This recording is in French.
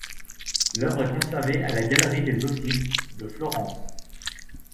L'œuvre est conservée à la Galerie des Offices de Florence.